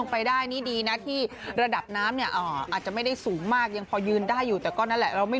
ไปดูกันหน่อยค่ะ